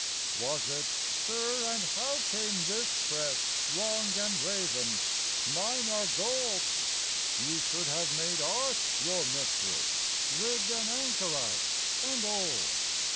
Was it, "Sir, and how came this tress, Long and raven? Mine are gold!" You should have made Art your mistress, Lived an anchorite and old!